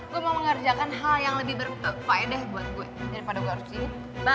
gue mau mengerjakan hal yang lebih berfaedah buat gue daripada gue harus cinta